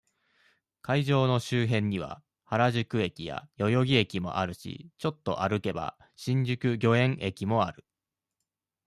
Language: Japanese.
会場の周辺には、原宿駅や、代々木駅もあるし、ちょっと歩けば、新宿御苑駅もある。